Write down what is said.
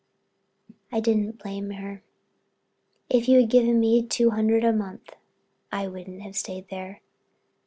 I didn't blame her. If you gave me two hundred a month I wouldn't have stayed there.